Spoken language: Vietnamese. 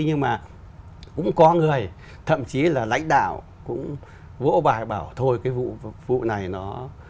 nhưng mà cũng có người thậm chí là lãnh đạo cũng vỗ bài bảo thôi cái vụ vụ này nó